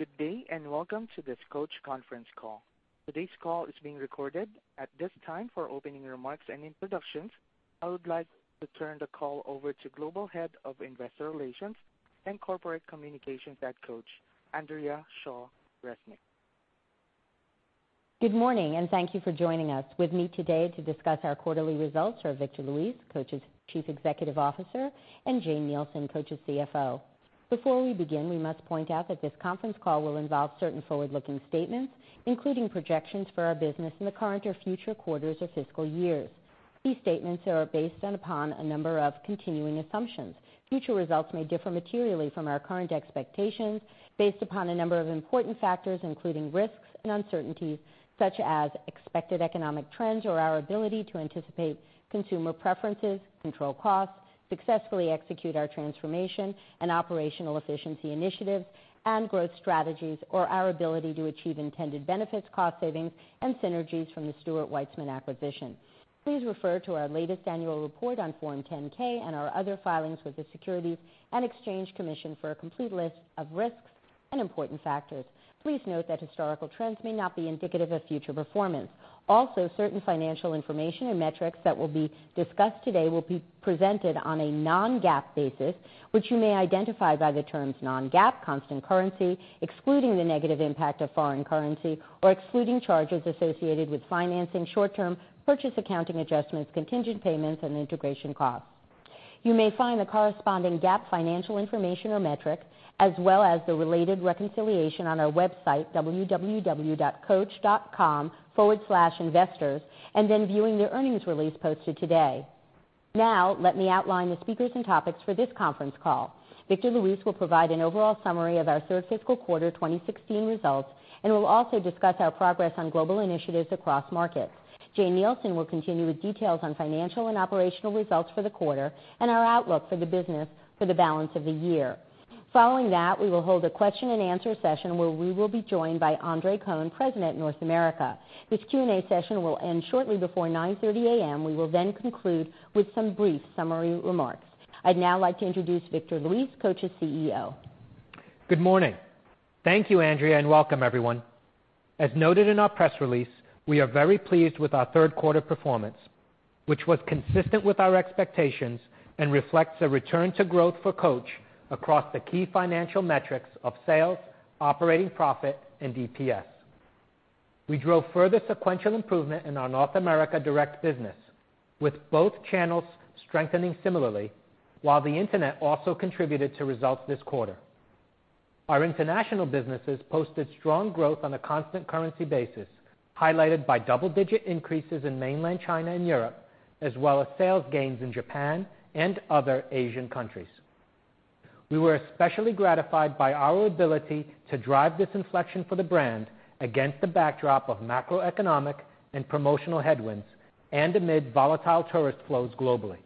Good day. Welcome to this Coach conference call. Today's call is being recorded. At this time, for opening remarks and introductions, I would like to turn the call over to Global Head of Investor Relations and Corporate Communications at Coach, Andrea Shaw Resnick. Good morning. Thank you for joining us. With me today to discuss our quarterly results are Victor Luis, Coach's Chief Executive Officer, and Jane Nielsen, Coach's CFO. Before we begin, we must point out that this conference call will involve certain forward-looking statements, including projections for our business in the current or future quarters or fiscal years. These statements are based upon a number of continuing assumptions. Future results may differ materially from our current expectations based upon a number of important factors, including risks and uncertainties such as expected economic trends or our ability to anticipate consumer preferences, control costs, successfully execute our transformation and operational efficiency initiatives and growth strategies, or our ability to achieve intended benefits, cost savings, and synergies from the Stuart Weitzman acquisition. Please refer to our latest annual report on Form 10-K and our other filings with the Securities and Exchange Commission for a complete list of risks and important factors. Please note that historical trends may not be indicative of future performance. Also, certain financial information and metrics that will be discussed today will be presented on a non-GAAP basis, which you may identify by the terms non-GAAP, constant currency, excluding the negative impact of foreign currency, or excluding charges associated with financing, short-term purchase accounting adjustments, contingent payments, and integration costs. You may find the corresponding GAAP financial information or metric, as well as the related reconciliation on our website, www.coach.com/investors, and then viewing the earnings release posted today. Let me outline the speakers and topics for this conference call. Victor Luis will provide an overall summary of our third fiscal quarter 2016 results and will also discuss our progress on global initiatives across markets. Jane Nielsen will continue with details on financial and operational results for the quarter and our outlook for the business for the balance of the year. Following that, we will hold a question and answer session where we will be joined by Andre Cohen, President, North America. This Q&A session will end shortly before 9:30 A.M. We will conclude with some brief summary remarks. I'd like to introduce Victor Luis, Coach's CEO. Good morning. Thank you, Andrea, and welcome everyone. As noted in our press release, we are very pleased with our third quarter performance, which was consistent with our expectations and reflects a return to growth for Coach across the key financial metrics of sales, operating profit, and DPS. We drove further sequential improvement in our North America direct business, with both channels strengthening similarly, while the internet also contributed to results this quarter. Our international businesses posted strong growth on a constant currency basis, highlighted by double-digit increases in mainland China and Europe, as well as sales gains in Japan and other Asian countries. We were especially gratified by our ability to drive this inflection for the brand against the backdrop of macroeconomic and promotional headwinds and amid volatile tourist flows globally.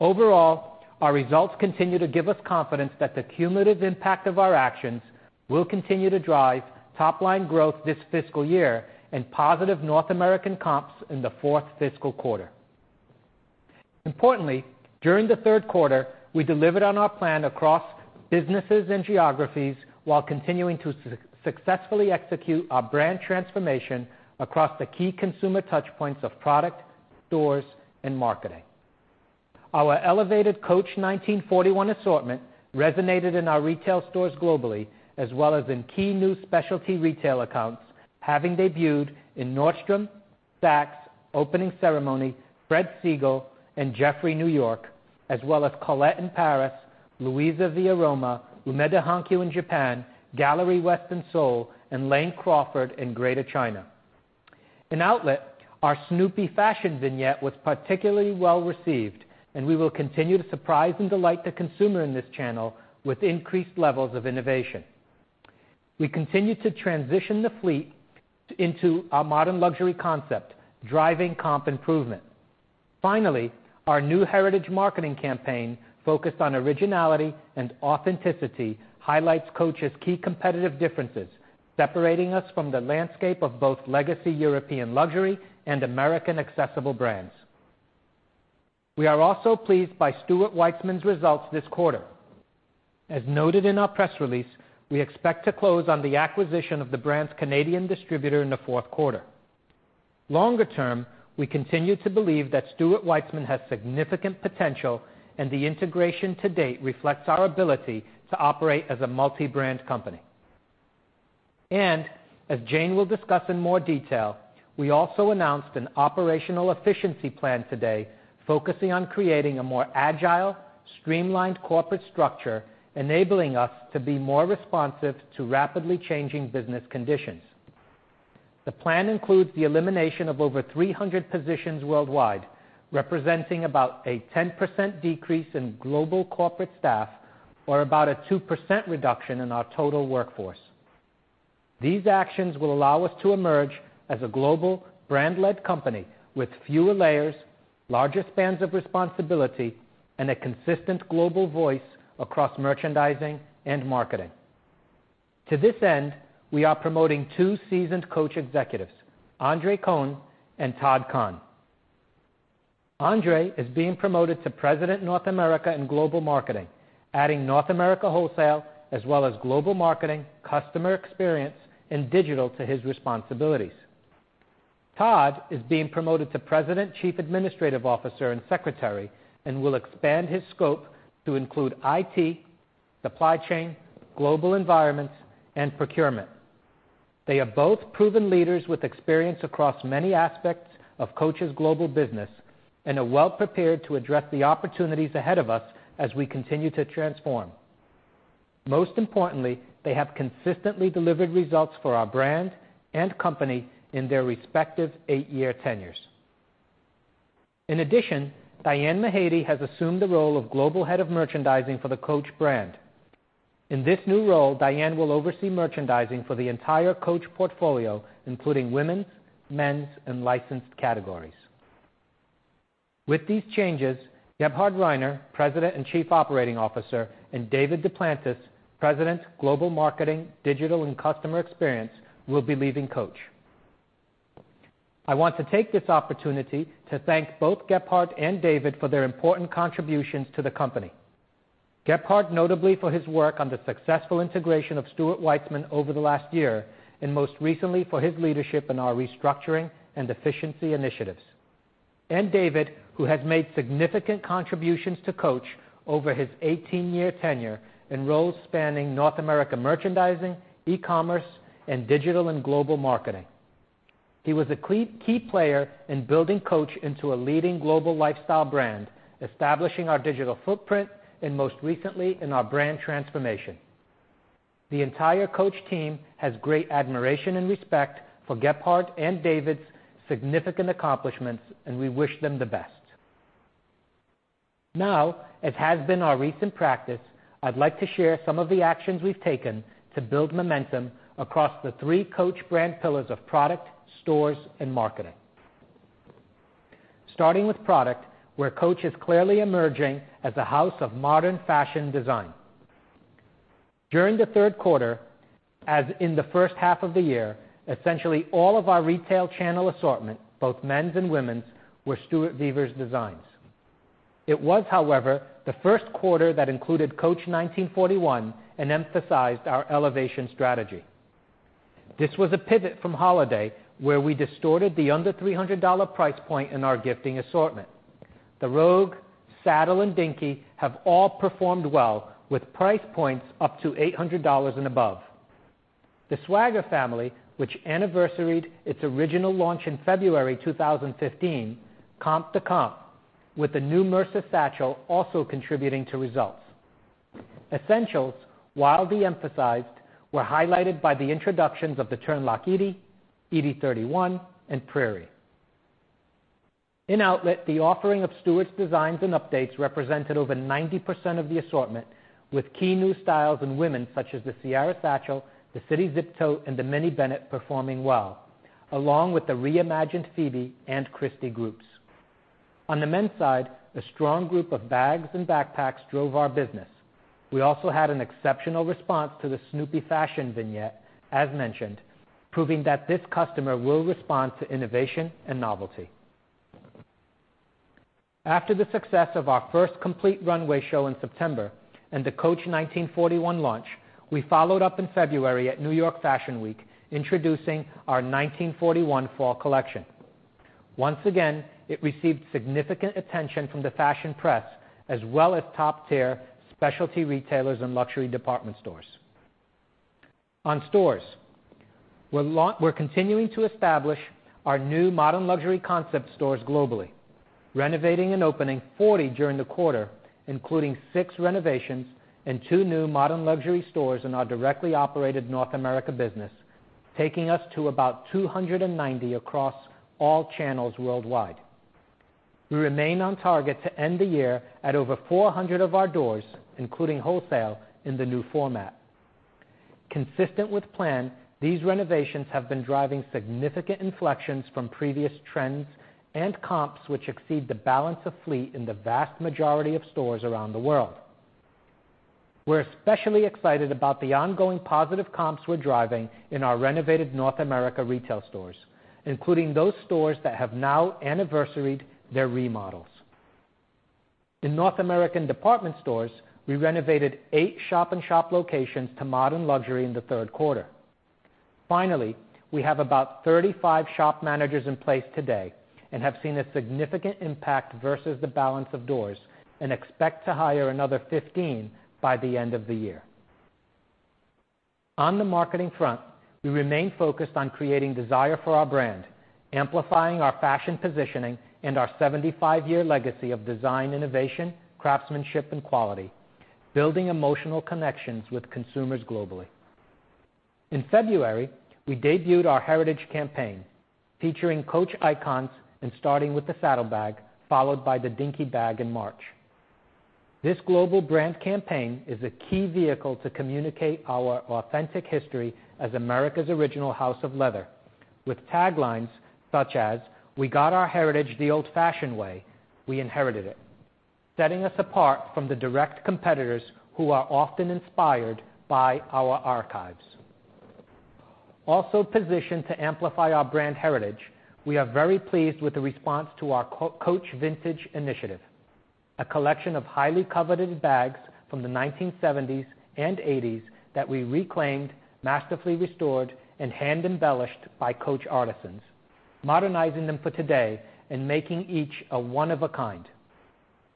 Overall, our results continue to give us confidence that the cumulative impact of our actions will continue to drive top-line growth this fiscal year and positive North American comps in the fourth fiscal quarter. Importantly, during the third quarter, we delivered on our plan across businesses and geographies while continuing to successfully execute our brand transformation across the key consumer touchpoints of product, stores, and marketing. Our elevated Coach 1941 assortment resonated in our retail stores globally, as well as in key new specialty retail accounts, having debuted in Nordstrom, Saks, Opening Ceremony, Fred Segal, and Jeffrey New York, as well as Colette in Paris, Luisa Via Roma, Hankyu Umeda in Japan, Galleria West in Seoul, and Lane Crawford in Greater China. In outlet, our Snoopy fashion vignette was particularly well-received, and we will continue to surprise and delight the consumer in this channel with increased levels of innovation. We continue to transition the fleet into our modern luxury concept, driving comp improvement. Finally, our new heritage marketing campaign focused on originality and authenticity highlights Coach's key competitive differences, separating us from the landscape of both legacy European luxury and American accessible brands. We are also pleased by Stuart Weitzman's results this quarter. As noted in our press release, we expect to close on the acquisition of the brand's Canadian distributor in the fourth quarter. Longer term, we continue to believe that Stuart Weitzman has significant potential, and the integration to date reflects our ability to operate as a multi-brand company. As Jane will discuss in more detail, we also announced an operational efficiency plan today focusing on creating a more agile, streamlined corporate structure, enabling us to be more responsive to rapidly changing business conditions. The plan includes the elimination of over 300 positions worldwide, representing about a 10% decrease in global corporate staff or about a 2% reduction in our total workforce. These actions will allow us to emerge as a global brand-led company with fewer layers, larger spans of responsibility, and a consistent global voice across merchandising and marketing. To this end, we are promoting two seasoned Coach executives, Andre Cohen and Todd Kahn. Andre is being promoted to President, North America and Global Marketing, adding North America wholesale as well as global marketing, customer experience, and digital to his responsibilities. Todd is being promoted to President, Chief Administrative Officer and Secretary and will expand his scope to include IT, supply chain, global environment, and procurement. They are both proven leaders with experience across many aspects of Coach's global business and are well-prepared to address the opportunities ahead of us as we continue to transform. Most importantly, they have consistently delivered results for our brand and company in their respective eight-year tenures. In addition, Diane Mahady has assumed the role of Global Head of Merchandising for the Coach brand. In this new role, Diane will oversee merchandising for the entire Coach portfolio, including women's, men's, and licensed categories. With these changes, Gebhard Rainer, President and Chief Operating Officer, and David Duplantis, President, Global Marketing, Digital, and Customer Experience, will be leaving Coach. I want to take this opportunity to thank both Gebhard and David for their important contributions to the company. Gebhard notably for his work on the successful integration of Stuart Weitzman over the last year, and most recently for his leadership in our restructuring and efficiency initiatives. David, who has made significant contributions to Coach over his 18-year tenure in roles spanning North America merchandising, e-commerce, and digital and global marketing. He was a key player in building Coach into a leading global lifestyle brand, establishing our digital footprint, and most recently in our brand transformation. The entire Coach team has great admiration and respect for Gebhard and David's significant accomplishments, and we wish them the best. As has been our recent practice, I'd like to share some of the actions we've taken to build momentum across the three Coach brand pillars of product, stores, and marketing. Starting with product, where Coach is clearly emerging as a house of modern fashion design. During the third quarter, as in the first half of the year, essentially all of our retail channel assortment, both men's and women's, were Stuart Vevers' designs. It was, however, the first quarter that included Coach 1941 and emphasized our elevation strategy. This was a pivot from holiday where we distorted the under $300 price point in our gifting assortment. The Rogue, Saddle, and Dinky have all performed well with price points up to $800 and above. The Swagger family, which anniversaried its original launch in February 2015, comped to comp, with the new Mercer Satchel also contributing to results. Essentials, while de-emphasized, were highlighted by the introductions of the Turnlock Edie 31, and Prairie. In outlet, the offering of Stuart's designs and updates represented over 90% of the assortment, with key new styles in women's such as the Sierra Satchel, the City Zip Tote, and the Mini Bennett performing well, along with the reimagined Phoebe and Christie groups. On the men's side, a strong group of bags and backpacks drove our business. We also had an exceptional response to the Snoopy fashion vignette, as mentioned, proving that this customer will respond to innovation and novelty. After the success of our first complete runway show in September and the Coach 1941 launch, we followed up in February at New York Fashion Week introducing our 1941 fall collection. Once again, it received significant attention from the fashion press as well as top-tier specialty retailers and luxury department stores. On stores, we are continuing to establish our new modern luxury concept stores globally, renovating and opening 40 during the quarter, including six renovations and two new modern luxury stores in our directly operated North America business, taking us to about 290 across all channels worldwide. We remain on target to end the year at over 400 of our doors, including wholesale, in the new format. Consistent with plan, these renovations have been driving significant inflections from previous trends and comps, which exceed the balance of fleet in the vast majority of stores around the world. We are especially excited about the ongoing positive comps we are driving in our renovated North America retail stores, including those stores that have now anniversaried their remodels. In North American department stores, we renovated eight shop-in-shop locations to modern luxury in the third quarter. Finally, we have about 35 shop managers in place today and have seen a significant impact versus the balance of doors and expect to hire another 15 by the end of the year. On the marketing front, we remain focused on creating desire for our brand, amplifying our fashion positioning and our 75-year legacy of design innovation, craftsmanship, and quality, building emotional connections with consumers globally. In February, we debuted our heritage campaign featuring Coach icons and starting with the Saddle Bag, followed by the Dinky Bag in March. This global brand campaign is a key vehicle to communicate our authentic history as America's original house of leather with taglines such as, "We got our heritage the old-fashioned way. We inherited it," setting us apart from the direct competitors who are often inspired by our archives. Also positioned to amplify our brand heritage, we are very pleased with the response to our Coach Vintage initiative, a collection of highly coveted bags from the 1970s and '80s that we reclaimed, masterfully restored, and hand-embellished by Coach artisans, modernizing them for today and making each a one of a kind.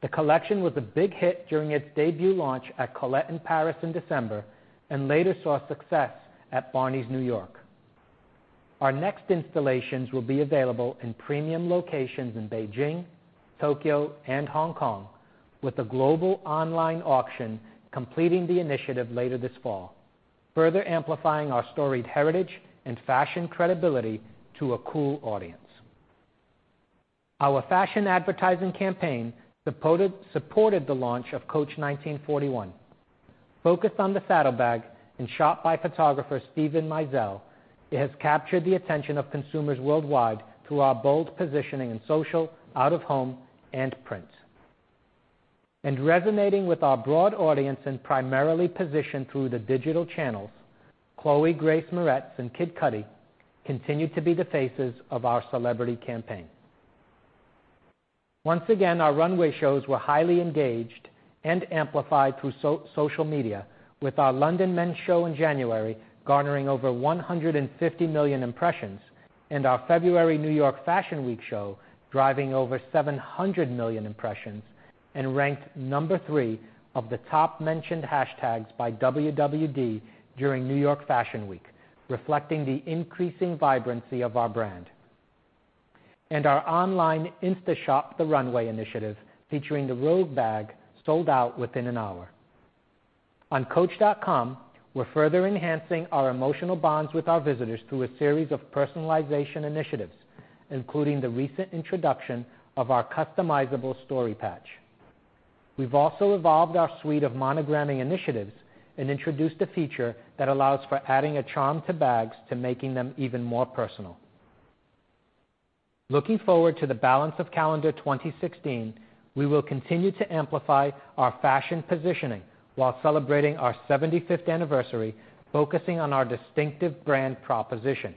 The collection was a big hit during its debut launch at Colette in Paris in December, later saw success at Barneys New York. Our next installations will be available in premium locations in Beijing, Tokyo, and Hong Kong, with a global online auction completing the initiative later this fall, further amplifying our storied heritage and fashion credibility to a cool audience. Our fashion advertising campaign supported the launch of Coach 1941. Focused on the Saddle Bag and shot by photographer Steven Meisel, it has captured the attention of consumers worldwide through our bold positioning in social, out of home, and print. Resonating with our broad audience and primarily positioned through the digital channels, Chloë Grace Moretz and Kid Cudi continue to be the faces of our celebrity campaign. Once again, our runway shows were highly engaged and amplified through social media with our London Men's show in January garnering over 150 million impressions and our February New York Fashion Week show driving over 700 million impressions, ranked number 3 of the top mentioned hashtags by WWD during New York Fashion Week, reflecting the increasing vibrancy of our brand. Our online InstaShop the Runway initiative, featuring the Rogue bag, sold out within an hour. On coach.com, we're further enhancing our emotional bonds with our visitors through a series of personalization initiatives, including the recent introduction of our customizable story patch. We've also evolved our suite of monogramming initiatives and introduced a feature that allows for adding a charm to bags to making them even more personal. Looking forward to the balance of calendar 2016, we will continue to amplify our fashion positioning while celebrating our 75th anniversary, focusing on our distinctive brand proposition.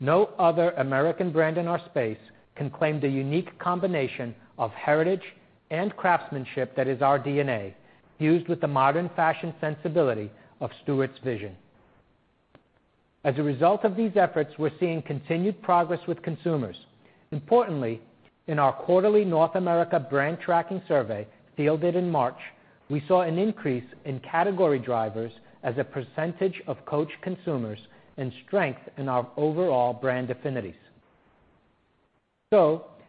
No other American brand in our space can claim the unique combination of heritage and craftsmanship that is our DNA, fused with the modern fashion sensibility of Stuart's vision. As a result of these efforts, we're seeing continued progress with consumers. Importantly, in our quarterly North America brand tracking survey fielded in March, we saw an increase in category drivers as a percentage of Coach consumers and strength in our overall brand affinities.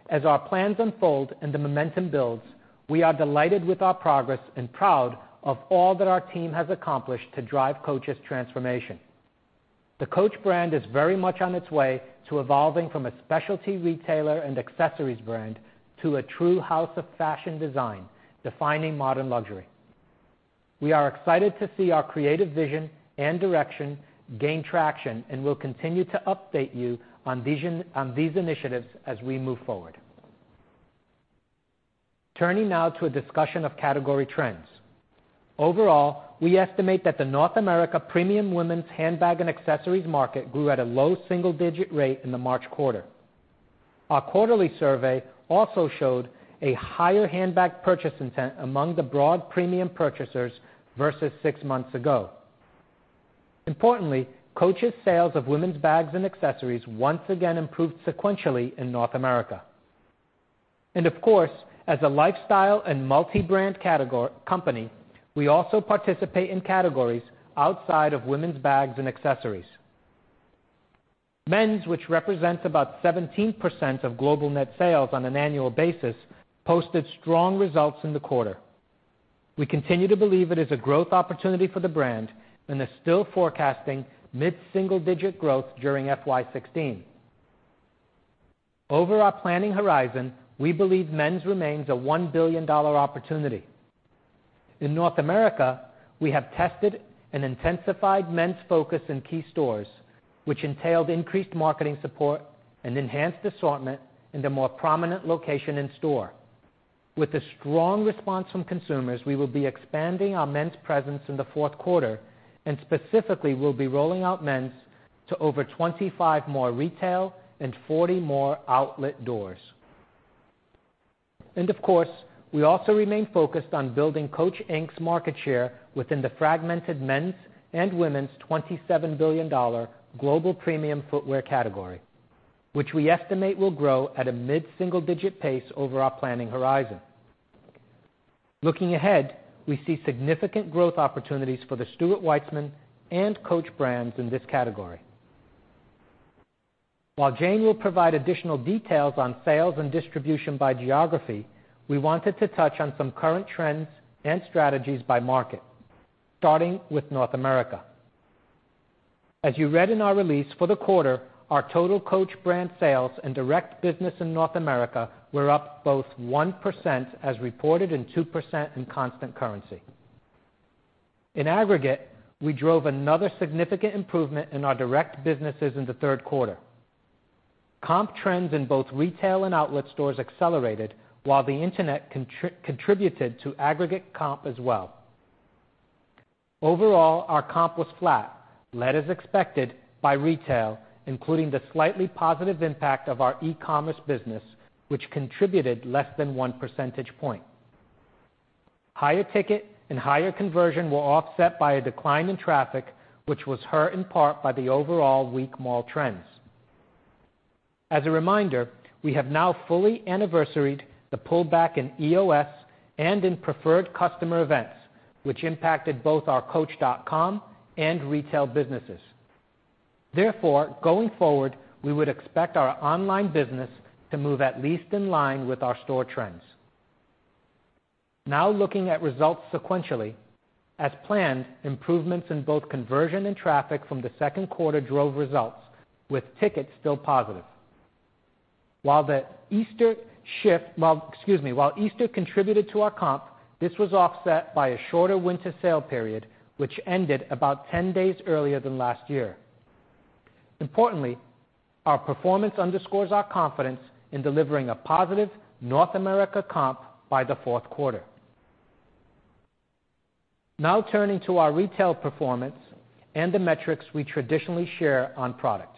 As our plans unfold and the momentum builds, we are delighted with our progress and proud of all that our team has accomplished to drive Coach's transformation. The Coach brand is very much on its way to evolving from a specialty retailer and accessories brand to a true house of fashion design, defining modern luxury. We are excited to see our creative vision and direction gain traction, and we'll continue to update you on these initiatives as we move forward. Turning now to a discussion of category trends. Overall, we estimate that the North America premium women's handbag and accessories market grew at a low single-digit rate in the March quarter. Our quarterly survey also showed a higher handbag purchase intent among the broad premium purchasers versus six months ago. Importantly, Coach's sales of women's bags and accessories once again improved sequentially in North America. Of course, as a lifestyle and multi-brand company, we also participate in categories outside of women's bags and accessories. Men's, which represents about 17% of global net sales on an annual basis, posted strong results in the quarter. We continue to believe it is a growth opportunity for the brand and are still forecasting mid-single digit growth during FY 2016. Over our planning horizon, we believe men's remains a $1 billion opportunity. In North America, we have tested and intensified men's focus in key stores, which entailed increased marketing support and enhanced assortment in the more prominent location in store. With a strong response from consumers, we will be expanding our men's presence in the fourth quarter, specifically, we'll be rolling out men's to over 25 more retail and 40 more outlet doors. Of course, we also remain focused on building Coach, Inc.'s market share within the fragmented men's and women's $27 billion global premium footwear category, which we estimate will grow at a mid-single digit pace over our planning horizon. Looking ahead, we see significant growth opportunities for the Stuart Weitzman and Coach brands in this category. While Jane will provide additional details on sales and distribution by geography, we wanted to touch on some current trends and strategies by market, starting with North America. As you read in our release for the quarter, our total Coach brand sales and direct business in North America were up both 1% as reported and 2% in constant currency. In aggregate, we drove another significant improvement in our direct businesses in the third quarter. Comp trends in both retail and outlet stores accelerated while the internet contributed to aggregate comp as well. Overall, our comp was flat, led as expected by retail, including the slightly positive impact of our e-commerce business, which contributed less than one percentage point. Higher ticket and higher conversion were offset by a decline in traffic, which was hurt in part by the overall weak mall trends. As a reminder, we have now fully anniversaried the pullback in EOS and in preferred customer events, which impacted both our coach.com and retail businesses. Going forward, we would expect our online business to move at least in line with our store trends. Now looking at results sequentially, as planned, improvements in both conversion and traffic from the second quarter drove results with tickets still positive. While Easter contributed to our comp, this was offset by a shorter winter sale period, which ended about 10 days earlier than last year. Importantly, our performance underscores our confidence in delivering a positive North America comp by the fourth quarter. Now turning to our retail performance and the metrics we traditionally share on product.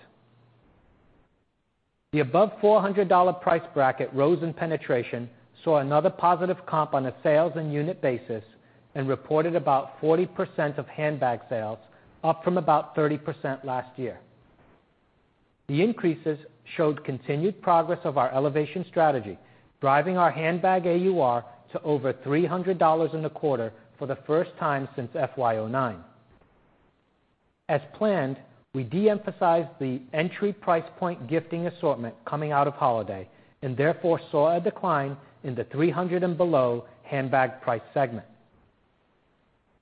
The above $400 price bracket rose in penetration, saw another positive comp on a sales and unit basis, and reported about 40% of handbag sales, up from about 30% last year. The increases showed continued progress of our elevation strategy, driving our handbag AUR to over $300 in the quarter for the first time since FY 2009. As planned, we de-emphasized the entry price point gifting assortment coming out of holiday and therefore saw a decline in the 300 and below handbag price segment.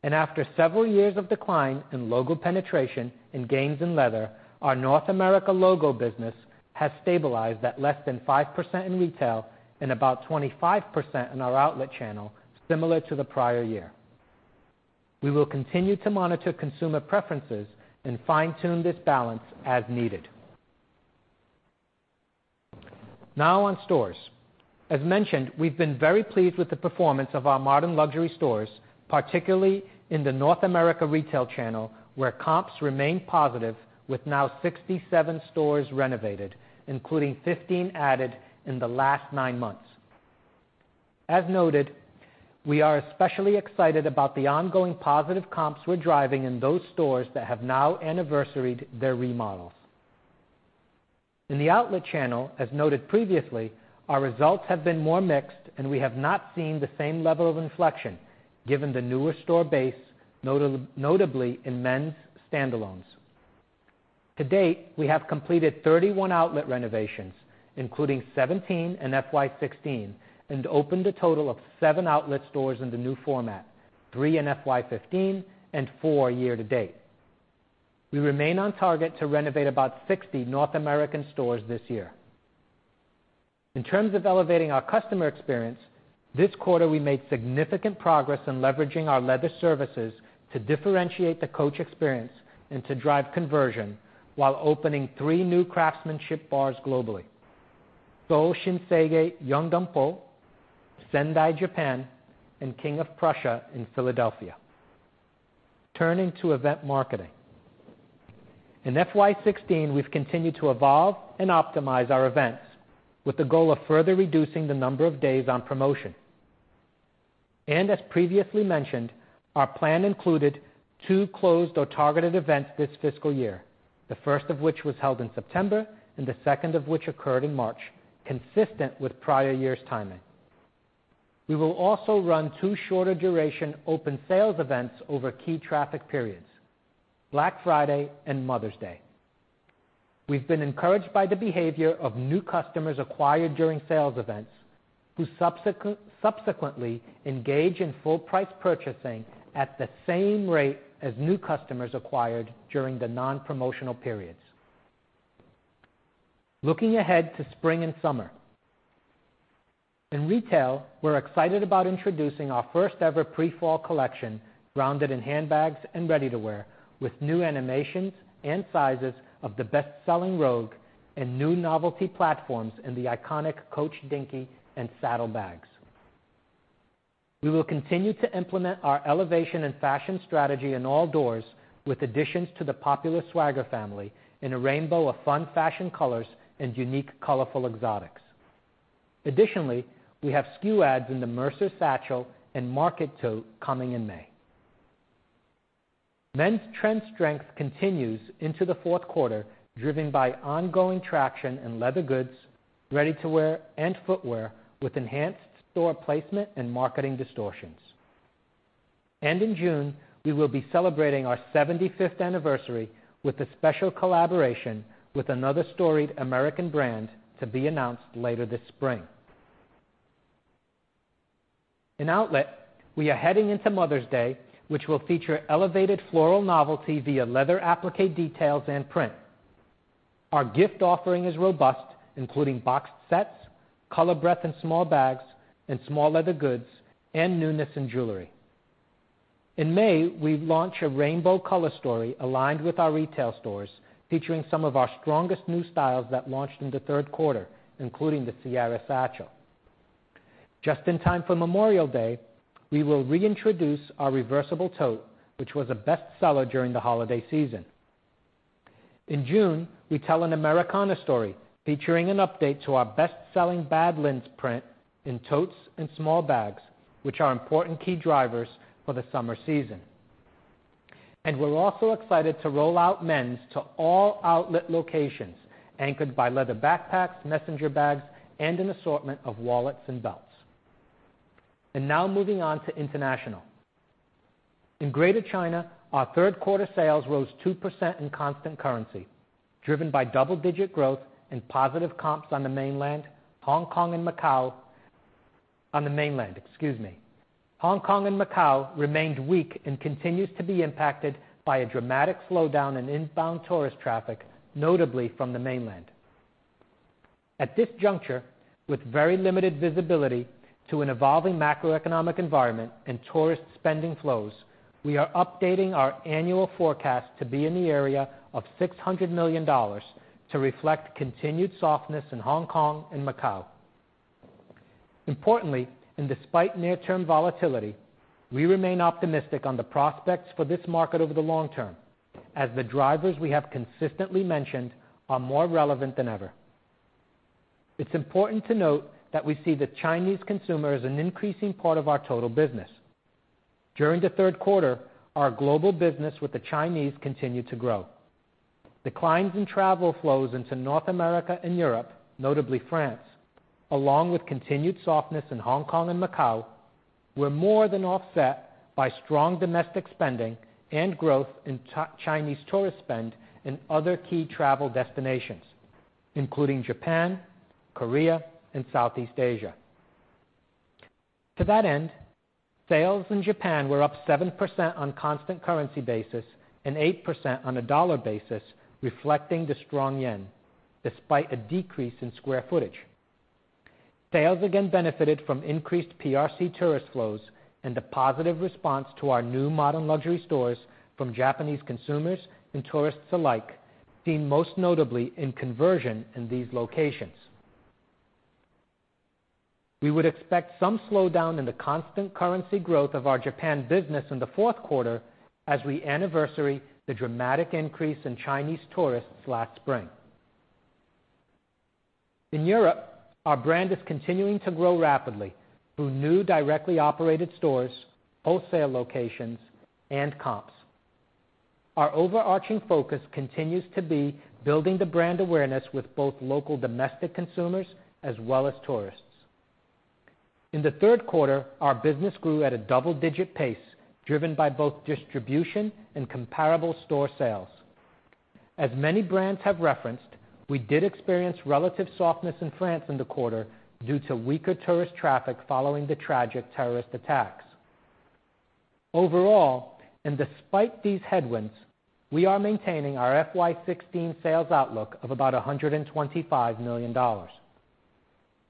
After several years of decline in logo penetration and gains in leather, our North America logo business has stabilized at less than 5% in retail and about 25% in our outlet channel, similar to the prior year. We will continue to monitor consumer preferences and fine-tune this balance as needed. Now on stores. As mentioned, we've been very pleased with the performance of our modern luxury stores, particularly in the North America retail channel, where comps remain positive with now 67 stores renovated, including 15 added in the last nine months. As noted, we are especially excited about the ongoing positive comps we're driving in those stores that have now anniversaried their remodels. In the outlet channel, as noted previously, our results have been more mixed, and we have not seen the same level of inflection given the newer store base, notably in men's standalones. To date, we have completed 31 outlet renovations, including 17 in FY 2016, and opened a total of seven outlet stores in the new format, three in FY 2015 and four year to date. We remain on target to renovate about 60 North American stores this year. In terms of elevating our customer experience, this quarter we made significant progress in leveraging our leather services to differentiate the Coach experience and to drive conversion while opening three new craftsmanship bars globally. Seoul Shinsegae Yeongdeungpo, Sendai, Japan, and King of Prussia in Philadelphia. Turning to event marketing. In FY 2016, we've continued to evolve and optimize our events with the goal of further reducing the number of days on promotion. As previously mentioned, our plan included two closed or targeted events this fiscal year, the first of which was held in September and the second of which occurred in March, consistent with prior year's timing. We will also run two shorter duration open sales events over key traffic periods, Black Friday and Mother's Day. We've been encouraged by the behavior of new customers acquired during sales events who subsequently engage in full-price purchasing at the same rate as new customers acquired during the non-promotional periods. Looking ahead to spring and summer. In retail, we're excited about introducing our first ever pre-fall collection rounded in handbags and ready-to-wear with new animations and sizes of the best-selling Rogue and new novelty platforms in the iconic Coach Dinky and Saddle bags. We will continue to implement our elevation and fashion strategy in all doors with additions to the popular Swagger family in a rainbow of fun fashion colors and unique colorful exotics. Additionally, we have SKU adds in the Mercer Satchel and Market Tote coming in May. Men's trend strength continues into the fourth quarter, driven by ongoing traction in leather goods, ready-to-wear, and footwear with enhanced store placement and marketing distortions. In June, we will be celebrating our 75th anniversary with a special collaboration with another storied American brand to be announced later this spring. In outlet, we are heading into Mother's Day, which will feature elevated floral novelty via leather appliqué details and print. Our gift offering is robust, including boxed sets, color breadth in small bags and small leather goods, and newness in jewelry. In May, we launched a rainbow color story aligned with our retail stores, featuring some of our strongest new styles that launched in the third quarter, including the Sierra Satchel. Just in time for Memorial Day, we will reintroduce our reversible tote, which was a best-seller during the holiday season. In June, we tell an Americana story featuring an update to our best-selling Badlands Print in totes and small bags, which are important key drivers for the summer season. We're also excited to roll out men's to all outlet locations, anchored by leather backpacks, messenger bags, and an assortment of wallets and belts. Now moving on to international. In Greater China, our third-quarter sales rose 2% in constant currency, driven by double-digit growth and positive comps on the mainland, Hong Kong, and Macau. On the mainland, excuse me. Hong Kong and Macau remained weak and continue to be impacted by a dramatic slowdown in inbound tourist traffic, notably from the mainland. At this juncture, with very limited visibility to an evolving macroeconomic environment and tourist spending flows, we are updating our annual forecast to be in the area of $600 million to reflect continued softness in Hong Kong and Macau. Importantly, despite near-term volatility, we remain optimistic on the prospects for this market over the long term, as the drivers we have consistently mentioned are more relevant than ever. It's important to note that we see the Chinese consumer as an increasing part of our total business. During the third quarter, our global business with the Chinese continued to grow. Declines in travel flows into North America and Europe, notably France, along with continued softness in Hong Kong and Macau, were more than offset by strong domestic spending and growth in Chinese tourist spend in other key travel destinations, including Japan, Korea, and Southeast Asia. To that end, sales in Japan were up 7% on constant currency basis and 8% on a dollar basis, reflecting the strong yen, despite a decrease in square footage. Sales again benefited from increased PRC tourist flows and the positive response to our new modern luxury stores from Japanese consumers and tourists alike, seen most notably in conversion in these locations. We would expect some slowdown in the constant currency growth of our Japan business in the fourth quarter as we anniversary the dramatic increase in Chinese tourists last spring. In Europe, our brand is continuing to grow rapidly through new directly operated stores, wholesale locations, and comps. Our overarching focus continues to be building the brand awareness with both local domestic consumers as well as tourists. In the third quarter, our business grew at a double-digit pace, driven by both distribution and comparable store sales. As many brands have referenced, we did experience relative softness in France in the quarter due to weaker tourist traffic following the tragic terrorist attacks. Overall, despite these headwinds, we are maintaining our FY 2016 sales outlook of about $125 million.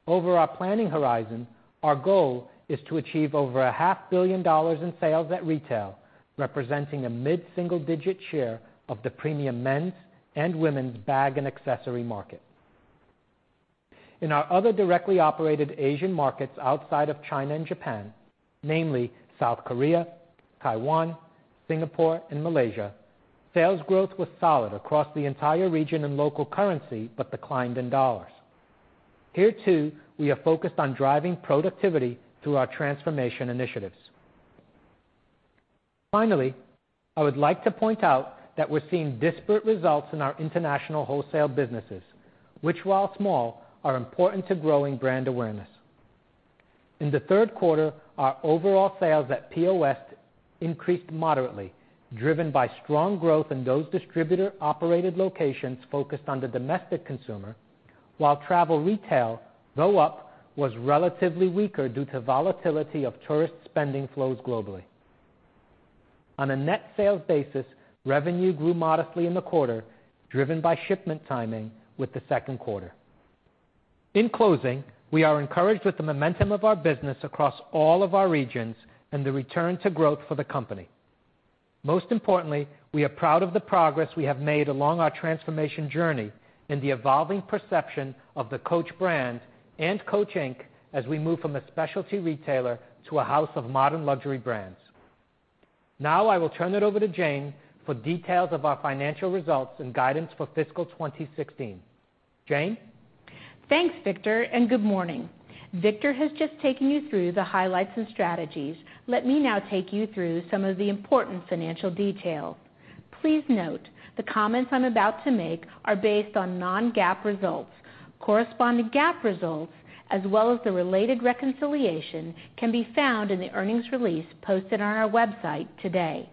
Over our planning horizon, our goal is to achieve over a half billion dollars in sales at retail, representing a mid-single-digit share of the premium men's and women's bag and accessory market. In our other directly operated Asian markets outside of China and Japan, namely South Korea, Taiwan, Singapore, and Malaysia, sales growth was solid across the entire region in local currency, but declined in dollars. Here, too, we are focused on driving productivity through our transformation initiatives. Finally, I would like to point out that we're seeing disparate results in our international wholesale businesses, which, while small, are important to growing brand awareness. In the third quarter, our overall sales at POS increased moderately, driven by strong growth in those distributor-operated locations focused on the domestic consumer, while travel retail, though up, was relatively weaker due to volatility of tourist spending flows globally. On a net sales basis, revenue grew modestly in the quarter, driven by shipment timing with the second quarter. In closing, we are encouraged with the momentum of our business across all of our regions and the return to growth for the company. Most importantly, we are proud of the progress we have made along our transformation journey and the evolving perception of the Coach brand and Coach, Inc. as we move from a specialty retailer to a house of modern luxury brands. Now I will turn it over to Jane for details of our financial results and guidance for fiscal 2016. Jane? Thanks, Victor, and good morning. Victor has just taken you through the highlights and strategies. Let me now take you through some of the important financial details. Please note the comments I am about to make are based on non-GAAP results. Corresponding GAAP results, as well as the related reconciliation, can be found in the earnings release posted on our website today.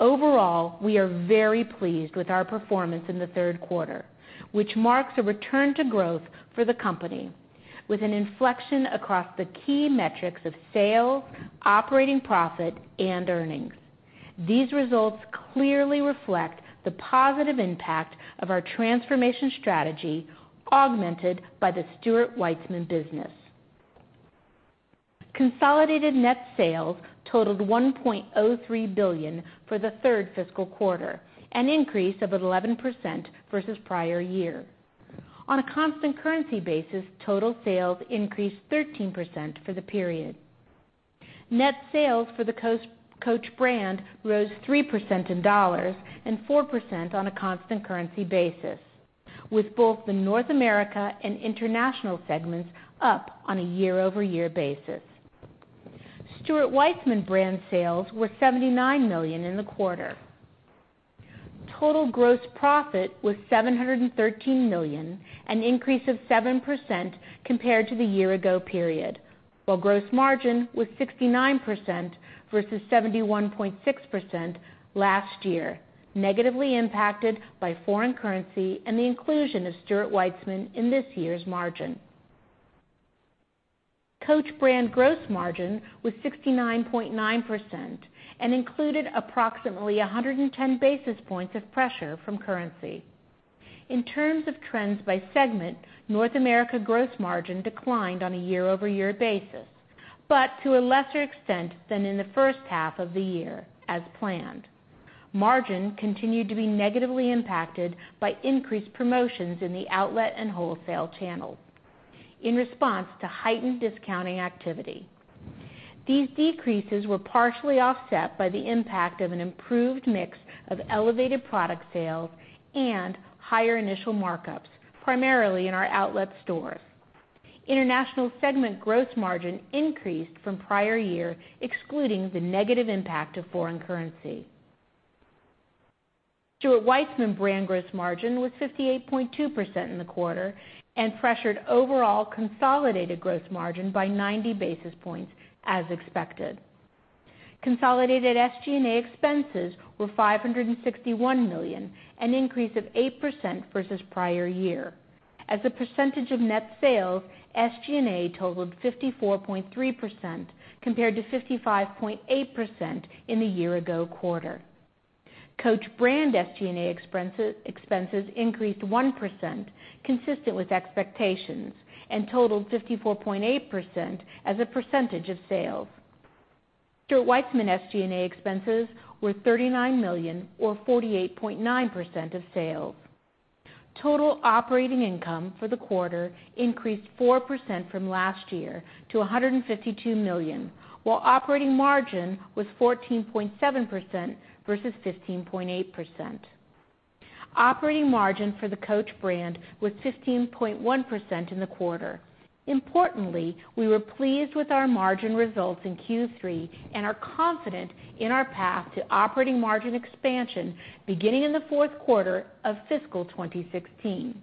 Overall, we are very pleased with our performance in the third quarter, which marks a return to growth for the company with an inflection across the key metrics of sales, operating profit, and earnings. These results clearly reflect the positive impact of our transformation strategy, augmented by the Stuart Weitzman business. Consolidated net sales totaled $1.03 billion for the third fiscal quarter, an increase of 11% versus prior year. On a constant currency basis, total sales increased 13% for the period. Net sales for the Coach brand rose 3% in dollars and 4% on a constant currency basis, with both the North America and international segments up on a year-over-year basis. Stuart Weitzman brand sales were $79 million in the quarter. Total gross profit was $713 million, an increase of 7% compared to the year-ago period. Gross margin was 69% versus 71.6% last year, negatively impacted by foreign currency and the inclusion of Stuart Weitzman in this year's margin. Coach brand gross margin was 69.9% and included approximately 110 basis points of pressure from currency. In terms of trends by segment, North America gross margin declined on a year-over-year basis, but to a lesser extent than in the first half of the year, as planned. Margin continued to be negatively impacted by increased promotions in the outlet and wholesale channels in response to heightened discounting activity. These decreases were partially offset by the impact of an improved mix of elevated product sales and higher initial markups, primarily in our outlet stores. International segment gross margin increased from prior year, excluding the negative impact of foreign currency. Stuart Weitzman brand gross margin was 58.2% in the quarter and pressured overall consolidated gross margin by 90 basis points, as expected. Consolidated SG&A expenses were $561 million, an increase of 8% versus the prior year. As a percentage of net sales, SG&A totaled 54.3%, compared to 55.8% in the year-ago quarter. Coach brand SG&A expenses increased 1%, consistent with expectations, and totaled 54.8% as a percentage of sales. Stuart Weitzman SG&A expenses were $39 million, or 48.9% of sales. Total operating income for the quarter increased 4% from last year to $152 million, while operating margin was 14.7% versus 15.8%. Operating margin for the Coach brand was 15.1% in the quarter. Importantly, we were pleased with our margin results in Q3 and are confident in our path to operating margin expansion beginning in the fourth quarter of fiscal 2016.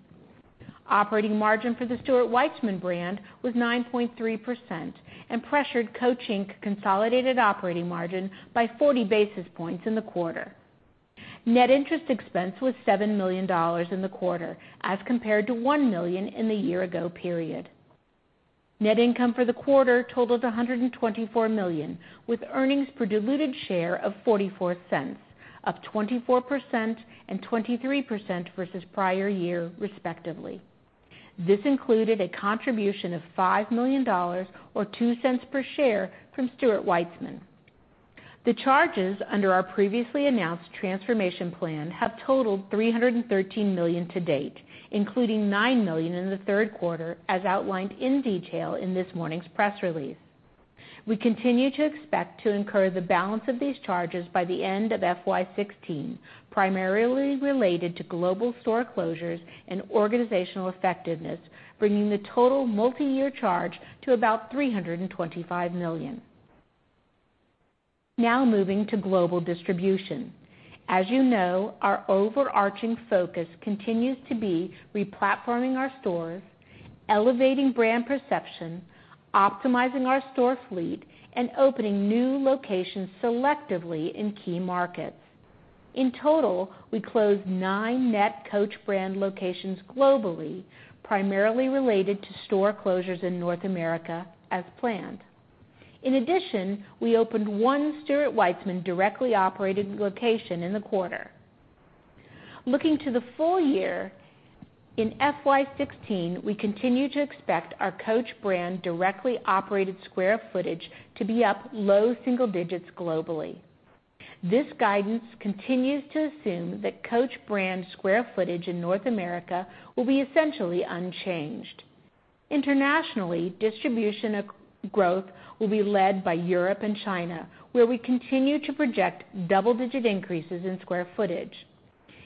Operating margin for the Stuart Weitzman brand was 9.3% and pressured Coach, Inc.'s consolidated operating margin by 40 basis points in the quarter. Net interest expense was $7 million in the quarter, as compared to $1 million in the year-ago period. Net income for the quarter totaled $124 million, with earnings per diluted share of $0.44, up 24% and 23% versus the prior year, respectively. This included a contribution of $5 million or $0.02 per share from Stuart Weitzman. The charges under our previously announced transformation plan have totaled $313 million to date, including $9 million in the third quarter, as outlined in detail in this morning's press release. We continue to expect to incur the balance of these charges by the end of FY 2016, primarily related to global store closures and organizational effectiveness, bringing the total multiyear charge to about $325 million. Moving to global distribution. As you know, our overarching focus continues to be replatforming our stores, elevating brand perception, optimizing our store fleet, and opening new locations selectively in key markets. In total, we closed nine net Coach brand locations globally, primarily related to store closures in North America, as planned. In addition, we opened one Stuart Weitzman directly operated location in the quarter. Looking to the full year, in FY 2016, we continue to expect our Coach brand directly operated square footage to be up low single digits globally. This guidance continues to assume that Coach brand square footage in North America will be essentially unchanged. Internationally, distribution growth will be led by Europe and China, where we continue to project double-digit increases in square footage.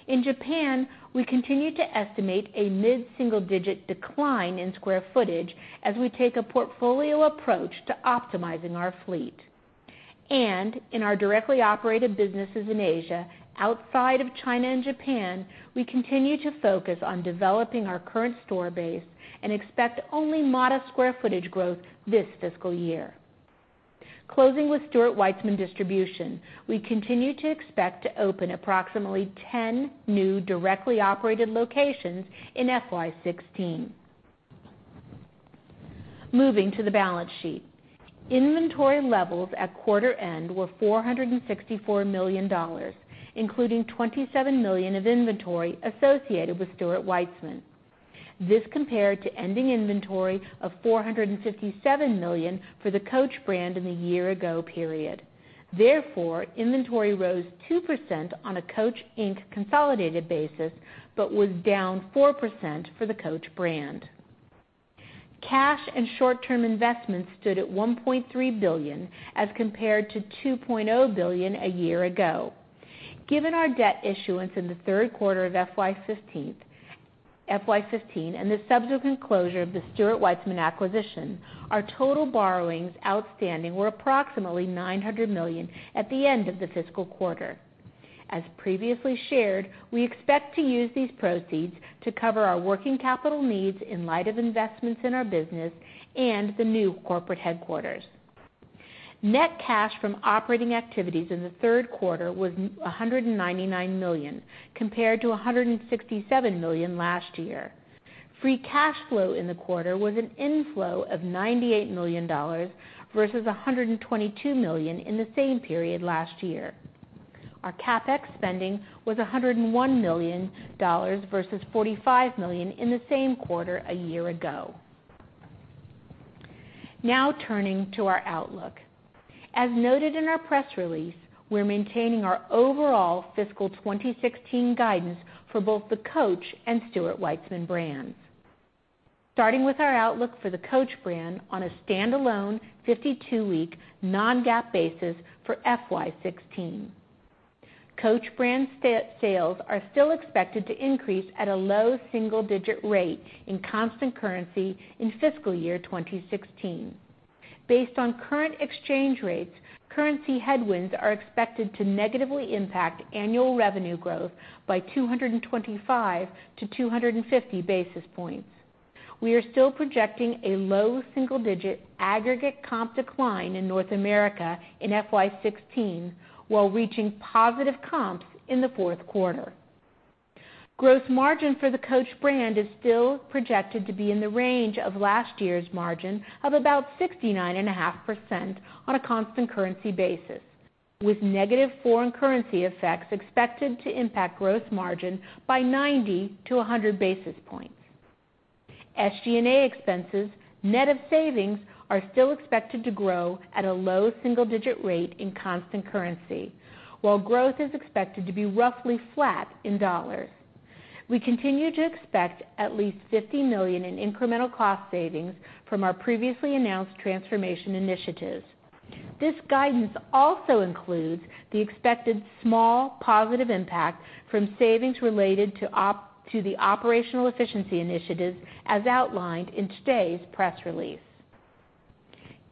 In Japan, we continue to estimate a mid-single-digit decline in square footage as we take a portfolio approach to optimizing our fleet. In our directly operated businesses in Asia, outside of China and Japan, we continue to focus on developing our current store base and expect only modest square footage growth this fiscal year. Closing with Stuart Weitzman distribution, we continue to expect to open approximately 10 new directly operated locations in FY 2016. Moving to the balance sheet. Inventory levels at quarter end were $464 million, including $27 million of inventory associated with Stuart Weitzman. This compared to ending inventory of $457 million for the Coach brand in the year ago period. Therefore, inventory rose 2% on a Coach, Inc. consolidated basis, was down 4% for the Coach brand. Cash and short-term investments stood at $1.3 billion as compared to $2.0 billion a year ago. Given our debt issuance in the third quarter of FY 2015 and the subsequent closure of the Stuart Weitzman acquisition, our total borrowings outstanding were approximately $900 million at the end of the fiscal quarter. As previously shared, we expect to use these proceeds to cover our working capital needs in light of investments in our business and the new corporate headquarters. Net cash from operating activities in the third quarter was $199 million, compared to $167 million last year. Free cash flow in the quarter was an inflow of $98 million, versus $122 million in the same period last year. Our CapEx spending was $101 million, versus $45 million in the same quarter a year ago. Turning to our outlook. As noted in our press release, we're maintaining our overall fiscal 2016 guidance for both the Coach and Stuart Weitzman brands. Starting with our outlook for the Coach brand on a standalone 52-week non-GAAP basis for FY 2016. Coach brand sales are still expected to increase at a low single-digit rate in constant currency in fiscal year 2016. Based on current exchange rates, currency headwinds are expected to negatively impact annual revenue growth by 225 to 250 basis points. We are still projecting a low single-digit aggregate comp decline in North America in FY 2016, while reaching positive comps in the fourth quarter. Gross margin for the Coach brand is still projected to be in the range of last year's margin of about 69.5% on a constant currency basis, with negative foreign currency effects expected to impact gross margin by 90 to 100 basis points. SG&A expenses, net of savings, are still expected to grow at a low single-digit rate in constant currency, while growth is expected to be roughly flat in dollars. We continue to expect at least $50 million in incremental cost savings from our previously announced transformation initiatives. This guidance also includes the expected small positive impact from savings related to the operational efficiency initiatives as outlined in today's press release.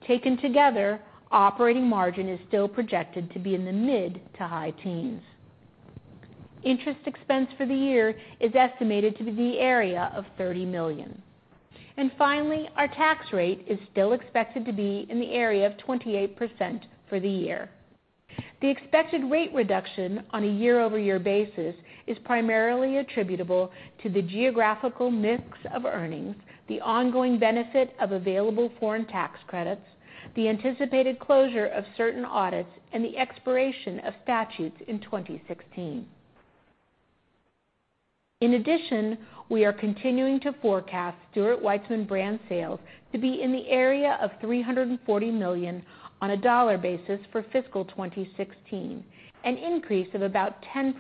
Taken together, operating margin is still projected to be in the mid to high teens. Interest expense for the year is estimated to be in the area of $30 million. Finally, our tax rate is still expected to be in the area of 28% for the year. The expected rate reduction on a year-over-year basis is primarily attributable to the geographical mix of earnings, the ongoing benefit of available foreign tax credits, the anticipated closure of certain audits, and the expiration of statutes in 2016. In addition, we are continuing to forecast Stuart Weitzman brand sales to be in the area of $340 million on a dollar basis for fiscal 2016, an increase of about 10%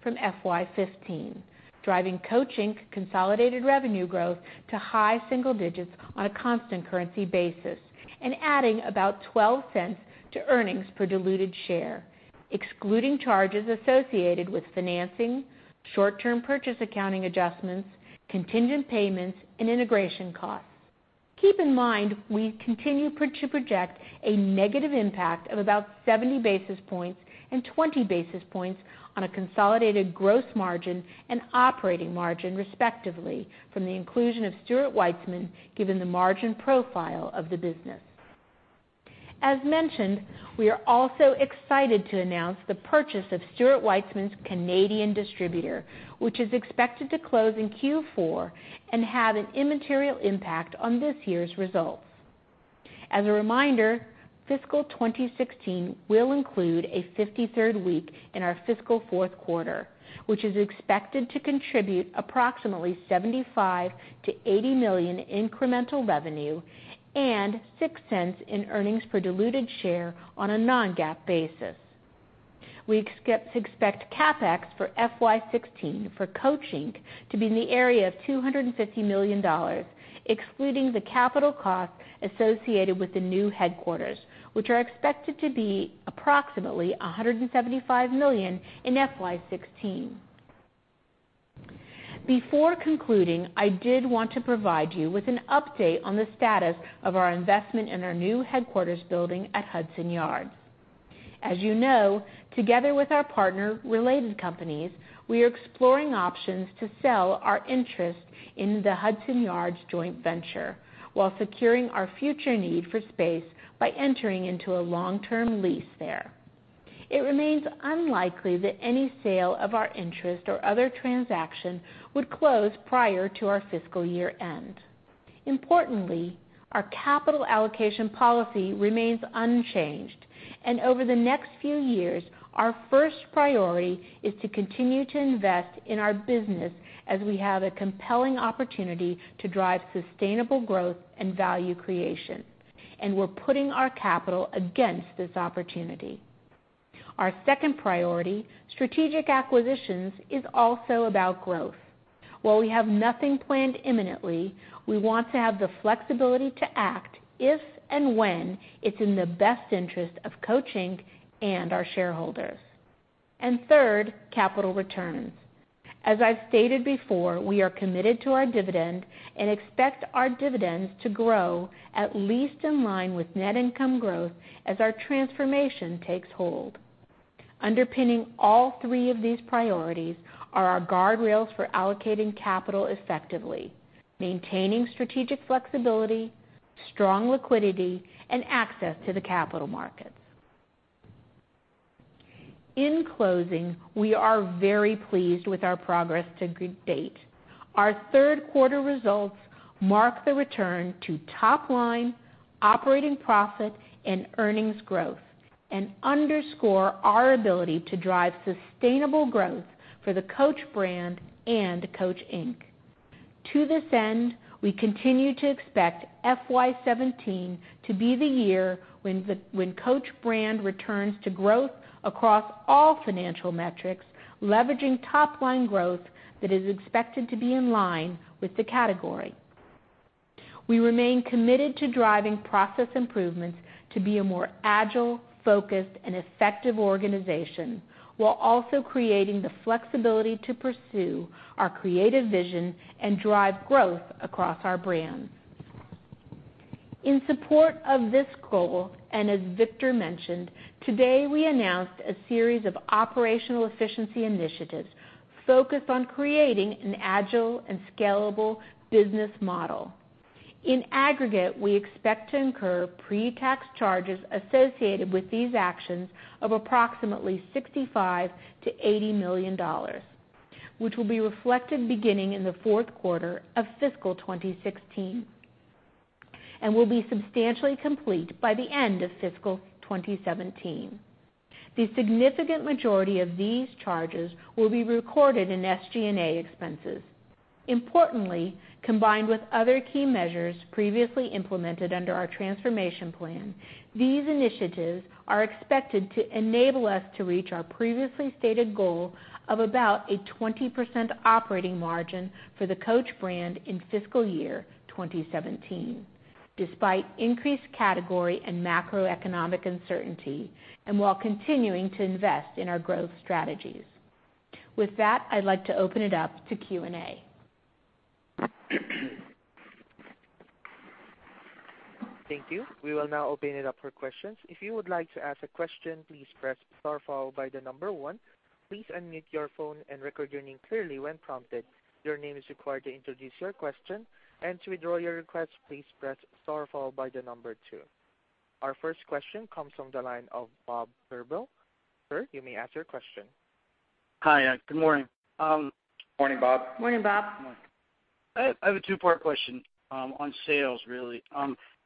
from FY 2015, driving Coach, Inc. consolidated revenue growth to high single digits on a constant currency basis and adding about $0.12 to earnings per diluted share, excluding charges associated with financing, short-term purchase accounting adjustments, contingent payments, and integration costs. Keep in mind, we continue to project a negative impact of about 70 basis points and 20 basis points on a consolidated gross margin and operating margin, respectively, from the inclusion of Stuart Weitzman, given the margin profile of the business. As mentioned, we are also excited to announce the purchase of Stuart Weitzman's Canadian distributor, which is expected to close in Q4 and have an immaterial impact on this year's results. As a reminder, fiscal 2016 will include a 53rd week in our fiscal fourth quarter, which is expected to contribute approximately $75 million-$80 million in incremental revenue and $0.06 in earnings per diluted share on a non-GAAP basis. We expect CapEx for FY 2016 for Coach, Inc. to be in the area of $250 million, excluding the capital costs associated with the new headquarters, which are expected to be approximately $175 million in FY 2016. Before concluding, I did want to provide you with an update on the status of our investment in our new headquarters building at Hudson Yards. As you know, together with our partner, Related Companies, we are exploring options to sell our interest in the Hudson Yards joint venture while securing our future need for space by entering into a long-term lease there. It remains unlikely that any sale of our interest or other transaction would close prior to our fiscal year end. Importantly, our capital allocation policy remains unchanged, over the next few years, our first priority is to continue to invest in our business as we have a compelling opportunity to drive sustainable growth and value creation, and we're putting our capital against this opportunity. Our second priority, strategic acquisitions, is also about growth. While we have nothing planned imminently, we want to have the flexibility to act if and when it's in the best interest of Coach, Inc. and our shareholders. Third, capital returns. As I've stated before, we are committed to our dividend and expect our dividends to grow at least in line with net income growth as our transformation takes hold. Underpinning all three of these priorities are our guardrails for allocating capital effectively, maintaining strategic flexibility, strong liquidity, and access to the capital markets. In closing, we are very pleased with our progress to date. Our third quarter results mark the return to top-line operating profit and earnings growth and underscore our ability to drive sustainable growth for the Coach brand and Coach, Inc. To this end, we continue to expect FY 2017 to be the year when Coach returns to growth across all financial metrics, leveraging top-line growth that is expected to be in line with the category. We remain committed to driving process improvements to be a more agile, focused, and effective organization, while also creating the flexibility to pursue our creative vision and drive growth across our brands. In support of this goal, and as Victor mentioned, today we announced a series of operational efficiency initiatives focused on creating an agile and scalable business model. In aggregate, we expect to incur pre-tax charges associated with these actions of approximately $65 million-$80 million, which will be reflected beginning in the fourth quarter of fiscal 2016, and will be substantially complete by the end of fiscal 2017. The significant majority of these charges will be recorded in SG&A expenses. Importantly, combined with other key measures previously implemented under our transformation plan, these initiatives are expected to enable us to reach our previously stated goal of about a 20% operating margin for the Coach in fiscal year 2017, despite increased category and macroeconomic uncertainty, and while continuing to invest in our growth strategies. With that, I'd like to open it up to Q&A. Thank you. We will now open it up for questions. If you would like to ask a question, please press star followed by the number 1. Please unmute your phone and record your name clearly when prompted. Your name is required to introduce your question. To withdraw your request, please press star followed by the number 2. Our first question comes from the line of Bob Drbul. Sir, you may ask your question. Hi, good morning. Morning, Bob. Morning, Bob. Morning. I have a two-part question on sales, really.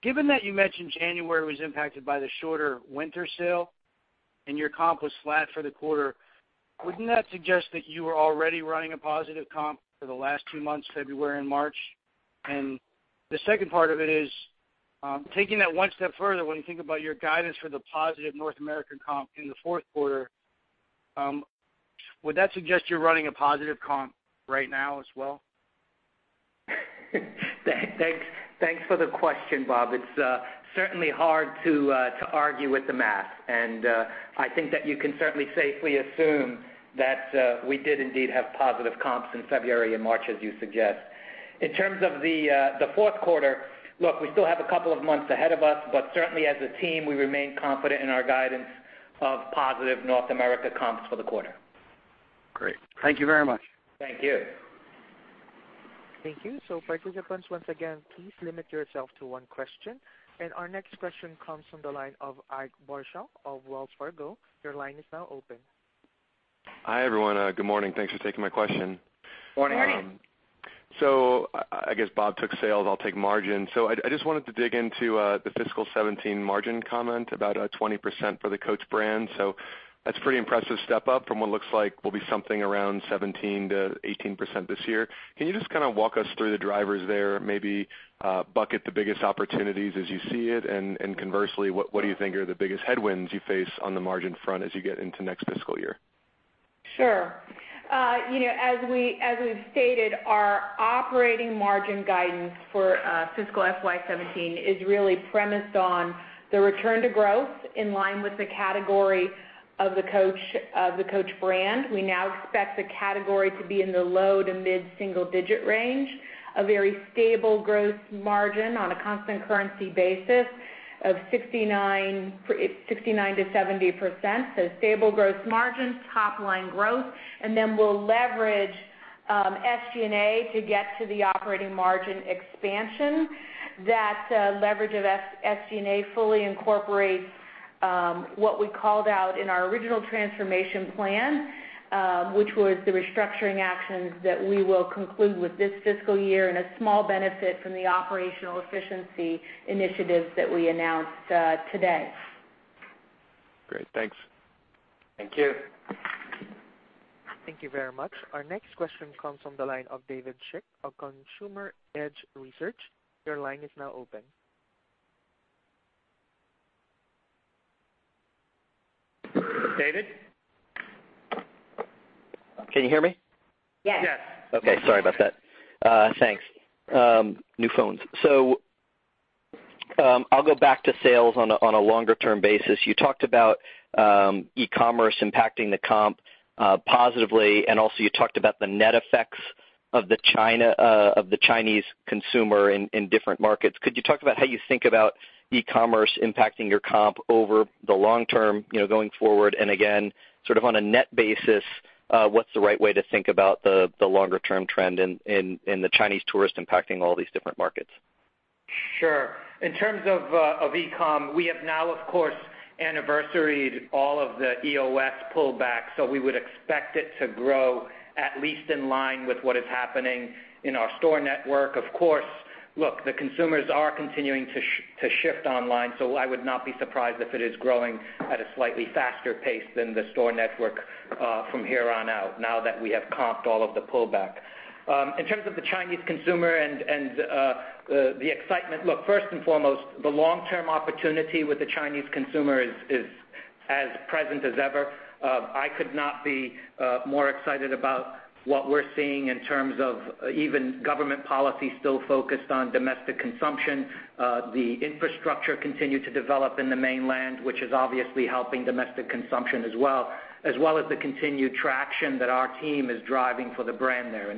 Given that you mentioned January was impacted by the shorter winter sale and your comp was flat for the quarter, wouldn't that suggest that you were already running a positive comp for the last two months, February and March? The second part of it is, taking that one step further, when you think about your guidance for the positive North American comp in the fourth quarter, would that suggest you're running a positive comp right now as well? Thanks for the question, Bob. I think that you can certainly safely assume that we did indeed have positive comps in February and March as you suggest. In terms of the fourth quarter, look, we still have a couple of months ahead of us, certainly as a team, we remain confident in our guidance of positive North America comps for the quarter. Great. Thank you very much. Thank you. Thank you. Participants, once again, please limit yourself to one question. Our next question comes from the line of Ike Boruchow of Wells Fargo. Your line is now open. Hi, everyone. Good morning. Thanks for taking my question. Morning. Morning. I guess Bob took sales. I'll take margin. I just wanted to dig into the fiscal 2017 margin comment about 20% for the Coach brand. That's a pretty impressive step up from what looks like will be something around 17%-18% this year. Can you just kind of walk us through the drivers there, maybe bucket the biggest opportunities as you see it? Conversely, what do you think are the biggest headwinds you face on the margin front as you get into next fiscal year? Sure. As we've stated, our operating margin guidance for fiscal FY 2017 is really premised on the return to growth in line with the category of the Coach brand. We now expect the category to be in the low to mid-single-digit range, a very stable growth margin on a constant currency basis of 69%-70%. Stable growth margins, top-line growth, and then we'll leverage SG&A to get to the operating margin expansion. That leverage of SG&A fully incorporates What we called out in our original transformation plan, which was the restructuring actions that we will conclude with this fiscal year and a small benefit from the operational efficiency initiatives that we announced today. Great. Thanks. Thank you. Thank you very much. Our next question comes from the line of David Schick of Consumer Edge Research. Your line is now open. David? Can you hear me? Yes. Yes. Sorry about that. Thanks. New phones. I'll go back to sales on a longer-term basis. You talked about e-commerce impacting the comp positively, and also you talked about the net effects of the Chinese consumer in different markets. Could you talk about how you think about e-commerce impacting your comp over the long term, going forward, and again, sort of on a net basis, what's the right way to think about the longer-term trend in the Chinese tourist impacting all these different markets? Sure. In terms of e-com, we have now, of course, anniversaried all of the EOS pullback, so we would expect it to grow at least in line with what is happening in our store network. Of course, look, the consumers are continuing to shift online, so I would not be surprised if it is growing at a slightly faster pace than the store network from here on out, now that we have comped all of the pullback. In terms of the Chinese consumer and the excitement. Look, first and foremost, the long-term opportunity with the Chinese consumer is as present as ever. I could not be more excited about what we're seeing in terms of even government policy still focused on domestic consumption. The infrastructure continue to develop in the mainland, which is obviously helping domestic consumption as well, as well as the continued traction that our team is driving for the brand there.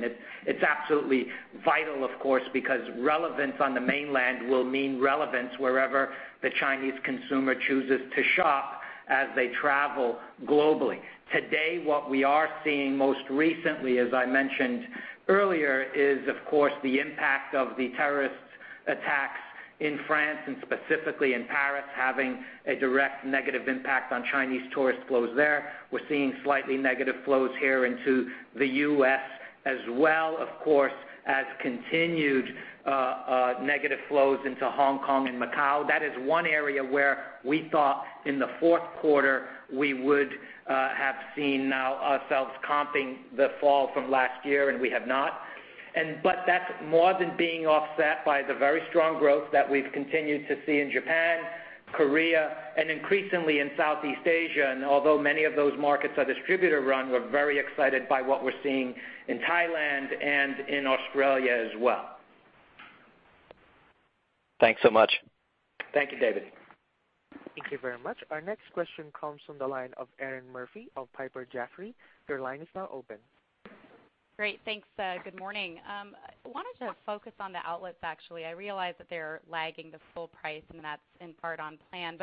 It's absolutely vital, of course, because relevance on the mainland will mean relevance wherever the Chinese consumer chooses to shop as they travel globally. Today, what we are seeing most recently, as I mentioned earlier, is of course, the impact of the terrorist attacks in France and specifically in Paris, having a direct negative impact on Chinese tourist flows there. We're seeing slightly negative flows here into the U.S. as well, of course, as continued negative flows into Hong Kong and Macau. That is one area where we thought in the fourth quarter we would have seen now ourselves comping the fall from last year, and we have not. That's more than being offset by the very strong growth that we've continued to see in Japan, Korea, and increasingly in Southeast Asia. Although many of those markets are distributor-run, we're very excited by what we're seeing in Thailand and in Australia as well. Thanks so much. Thank you, David. Thank you very much. Our next question comes from the line of Erinn Murphy of Piper Jaffray. Your line is now open. Great. Thanks. Good morning. I wanted to focus on the outlets, actually. I realize that they're lagging the full price, and that's in part on plan.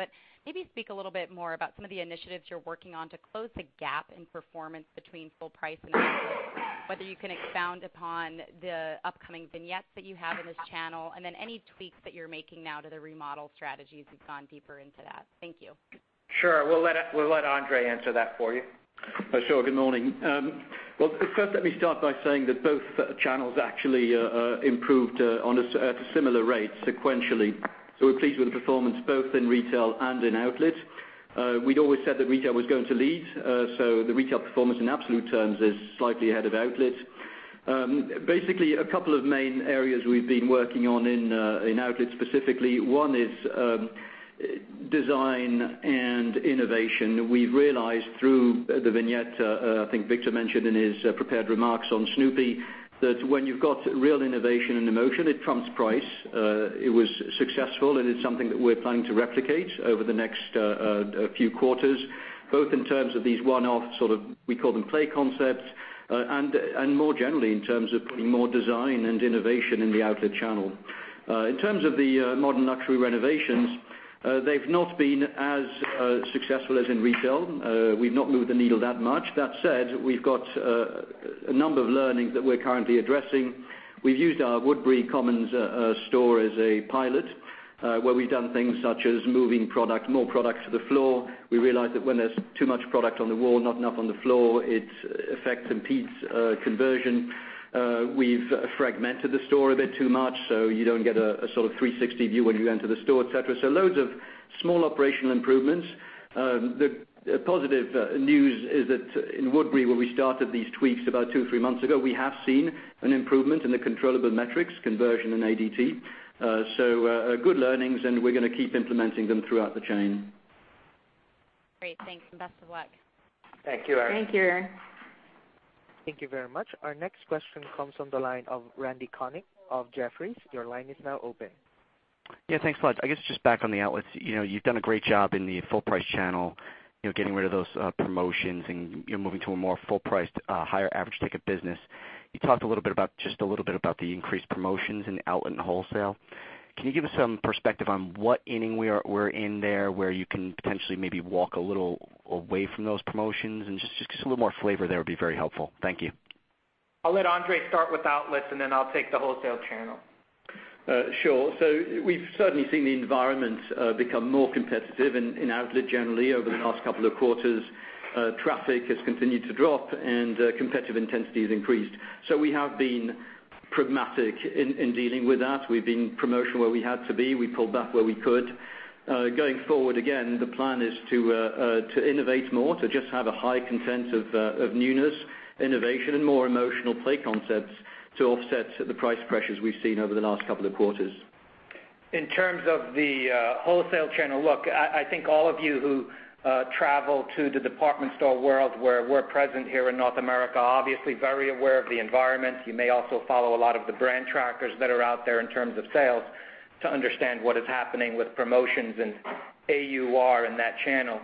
Maybe speak a little bit more about some of the initiatives you're working on to close the gap in performance between full price and outlet. Whether you can expound upon the upcoming vignettes that you have in this channel, and then any tweaks that you're making now to the remodel strategies if you've gone deeper into that. Thank you. Sure. We'll let Andre answer that for you. Sure. Good morning. First let me start by saying that both channels actually improved at a similar rate sequentially. We're pleased with the performance both in retail and in outlet. We'd always said that retail was going to lead. The retail performance in absolute terms is slightly ahead of outlet. A couple of main areas we've been working on in outlet specifically. One is design and innovation. We've realized through the vignette, I think Victor mentioned in his prepared remarks on Snoopy, that when you've got real innovation and emotion, it trumps price. It was successful, and it's something that we're planning to replicate over the next few quarters, both in terms of these one-off sort of, we call them play concepts. More generally, in terms of putting more design and innovation in the outlet channel. In terms of the modern luxury renovations, they've not been as successful as in retail. We've not moved the needle that much. That said, we've got a number of learnings that we're currently addressing. We've used our Woodbury Commons store as a pilot, where we've done things such as moving more product to the floor. We realized that when there's too much product on the wall, not enough on the floor, it affects and impedes conversion. We've fragmented the store a bit too much, so you don't get a sort of 360 view when you enter the store, et cetera. Loads of small operational improvements. The positive news is that in Woodbury, where we started these tweaks about two, three months ago, we have seen an improvement in the controllable metrics, conversion, and ADT. Good learnings, we're gonna keep implementing them throughout the chain. Great. Thanks. Best of luck. Thank you, Erinn. Thank you, Erinn. Thank you very much. Our next question comes from the line of Randal Konik of Jefferies. Your line is now open. Thanks a lot. I guess just back on the outlets. You've done a great job in the full-price channel, getting rid of those promotions and you're moving to a more full-priced, higher average ticket business. You talked just a little bit about the increased promotions in outlet and wholesale. Can you give us some perspective on what inning we're in there where you can potentially maybe walk a little away from those promotions and just a little more flavor there would be very helpful. Thank you. I'll let Andre start with outlets, then I'll take the wholesale channel. Sure. We've certainly seen the environment become more competitive in outlet generally over the last couple of quarters. Traffic has continued to drop and competitive intensity has increased. We have been pragmatic in dealing with that. We've been promotional where we had to be. We pulled back where we could. Going forward, again, the plan is to innovate more, to just have a high content of newness, innovation, and more emotional play concepts to offset the price pressures we've seen over the last couple of quarters. In terms of the wholesale channel, look, I think all of you who travel to the department store world where we're present here in North America, obviously very aware of the environment. You may also follow a lot of the brand trackers that are out there in terms of sales to understand what is happening with promotions and AUR in that channel.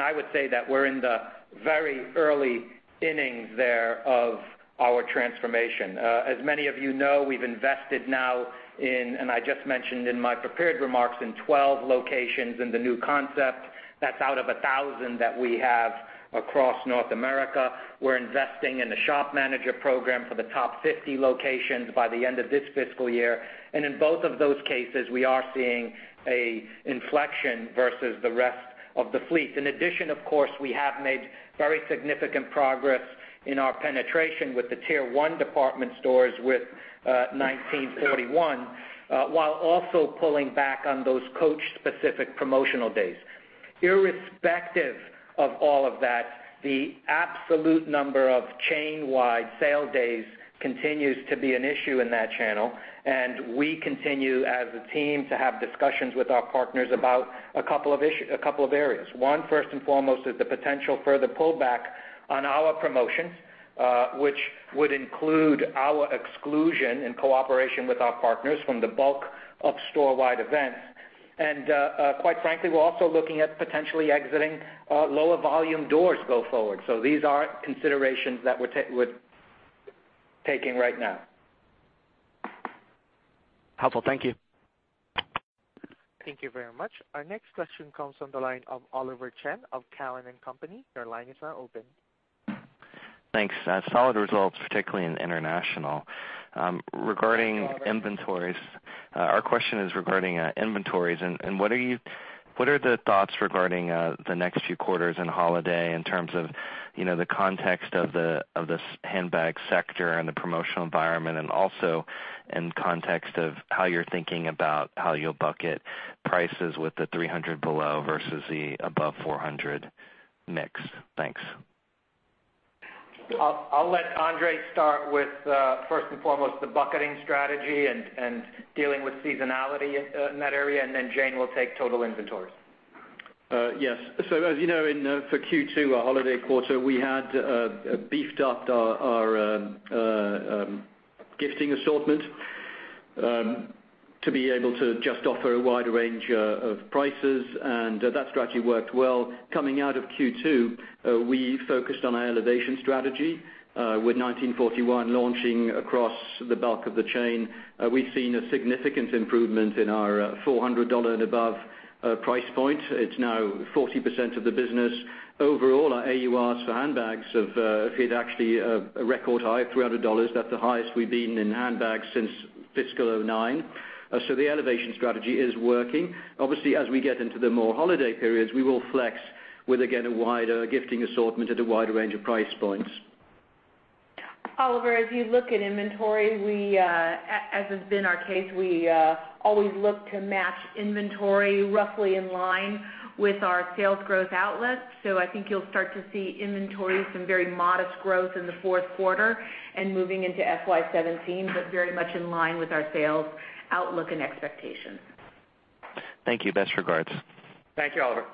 I would say that we're in the very early innings there of our transformation. As many of you know, we've invested now in, and I just mentioned in my prepared remarks, in 12 locations in the new concept. That's out of 1,000 that we have across North America. We're investing in a shop manager program for the top 50 locations by the end of this fiscal year. In both of those cases, we are seeing an inflection versus the rest of the fleet. In addition, of course, we have made very significant progress in our penetration with the tier 1 department stores with 1941, while also pulling back on those Coach specific promotional days. Irrespective of all of that, the absolute number of chain-wide sale days continues to be an issue in that channel, we continue as a team to have discussions with our partners about a couple of areas. One, first and foremost, is the potential further pullback on our promotions, which would include our exclusion and cooperation with our partners from the bulk of store-wide events. Quite frankly, we're also looking at potentially exiting lower volume doors go forward. These are considerations that we're taking right now. Helpful. Thank you. Thank you very much. Our next question comes from the line of Oliver Chen of Cowen and Company. Your line is now open. Thanks. Solid results, particularly in international. Regarding inventories, our question is regarding inventories and what are the thoughts regarding the next few quarters and holiday in terms of the context of this handbag sector and the promotional environment, and also in context of how you're thinking about how you'll bucket prices with the 300 below versus the above 400 mix? Thanks. I'll let Andre start with, first and foremost, the bucketing strategy and dealing with seasonality in that area, and then Jane will take total inventories. Yes. As you know, for Q2, our holiday quarter, we had beefed up our gifting assortment, to be able to just offer a wide range of prices, and that strategy worked well. Coming out of Q2, we focused on our elevation strategy with 1941 launching across the bulk of the chain. We've seen a significant improvement in our $400 and above price point. It's now 40% of the business. Overall, our AURs for handbags have hit actually a record high of $300. That's the highest we've been in handbags since fiscal 2009. The elevation strategy is working. Obviously, as we get into the more holiday periods, we will flex with, again, a wider gifting assortment at a wider range of price points. Oliver, as you look at inventory, as has been our case, we always look to match inventory roughly in line with our sales growth outlets. I think you'll start to see inventory, some very modest growth in the fourth quarter and moving into FY 2017, but very much in line with our sales outlook and expectations. Thank you. Best regards. Thank you, Oliver.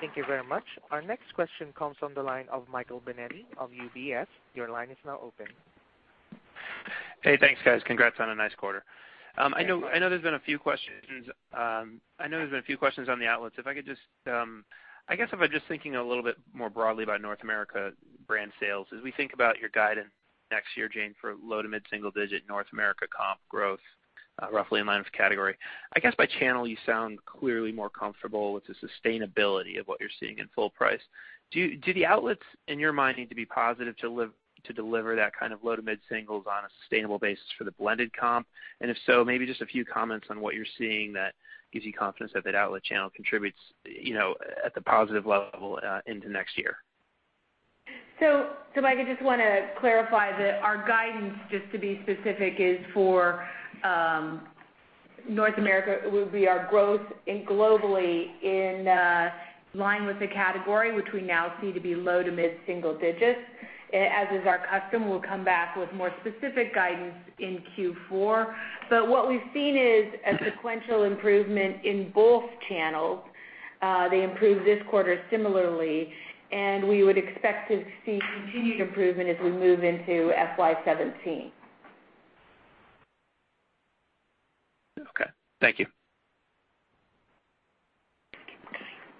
Thank you very much. Our next question comes from the line of Michael Binetti of UBS. Your line is now open. Hey, thanks, guys. Congrats on a nice quarter. I know there's been a few questions on the outlets. I guess if I'm just thinking a little bit more broadly about North America brand sales, as we think about your guidance next year, Jane, for low to mid-single-digit North America comp growth, roughly in line with category. I guess by channel, you sound clearly more comfortable with the sustainability of what you're seeing in full price. Do the outlets, in your mind, need to be positive to deliver that kind of low to mid-singles on a sustainable basis for the blended comp? And if so, maybe just a few comments on what you're seeing that gives you confidence that that outlet channel contributes at the positive level into next year. Mike, I just want to clarify that our guidance, just to be specific, is for North America, will be our growth globally in line with the category, which we now see to be low to mid-single-digits. As is our custom, we'll come back with more specific guidance in Q4. What we've seen is a sequential improvement in both channels. They improved this quarter similarly, and we would expect to see continued improvement as we move into FY17. Okay. Thank you.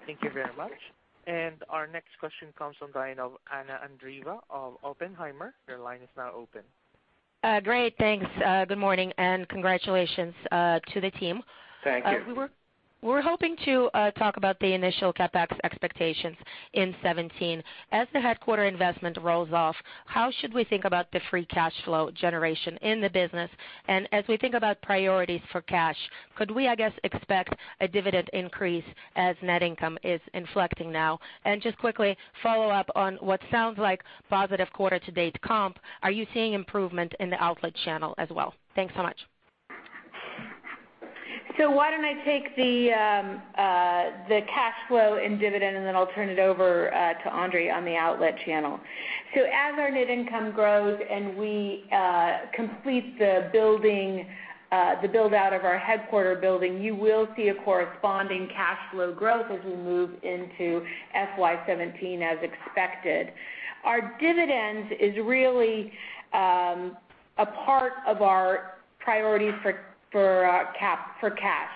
Thank you very much. Our next question comes from the line of Anna Andreeva of Oppenheimer. Your line is now open. Great. Thanks. Good morning, congratulations to the team. Thank you. We're hoping to talk about the initial CapEx expectations in FY 2017. As the headquarter investment rolls off, how should we think about the free cash flow generation in the business? As we think about priorities for cash, could we, I guess, expect a dividend increase as net income is inflecting now? Just quickly follow up on what sounds like positive quarter to date comp, are you seeing improvement in the outlet channel as well? Thanks so much. I take the cash flow and dividend, and then I'll turn it over to Andre on the outlet channel. As our net income grows and we complete the build-out of our headquarter building, you will see a corresponding cash flow growth as we move into FY 2017 as expected. Our dividends is really a part of our priorities for cash,